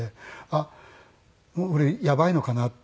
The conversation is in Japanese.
あっもう俺やばいのかなって。